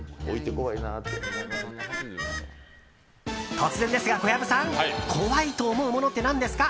突然ですが小籔さん怖いと思うものって何ですか？